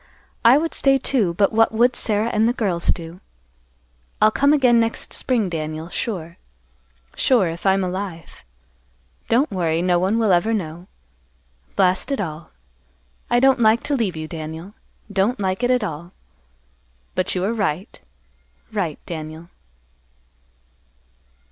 I would stay, too, but what would Sarah and the girls do? I'll come again next spring, Daniel, sure, sure, if I'm alive. Don't worry, no one will ever know. Blast it all! I don't like to leave you, Daniel. Don't like it at all. But you are right, right, Daniel."